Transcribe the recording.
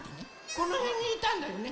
このへんにいたんだよね。